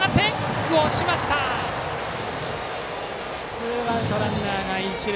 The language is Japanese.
ツーアウトランナーが一塁。